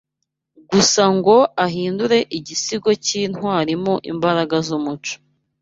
gusa ngo ahindure igisigo cyintwari mo imbaraga zumuco